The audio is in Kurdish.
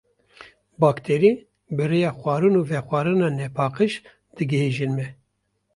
Bakterî bi rêya xwarin û vexwarina nepaqij digihêjin me.